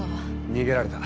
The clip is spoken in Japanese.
逃げられた。